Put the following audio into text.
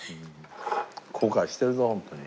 後悔してるぞホントに。